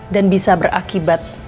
dan bisa berakibat ibu sarah